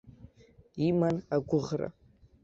Иман агәыӷра.